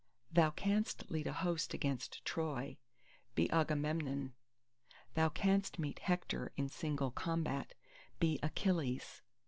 ..." "Thou canst lead a host against Troy; be Agamemnon!" "Thou canst meet Hector in single combat; be Achilles!"